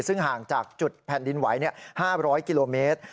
ซึ่งห่างจากจุดแผ่นดินไหว๕๐๐กิโลเมตร